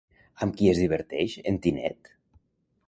Amb qui es diverteix en Tinet?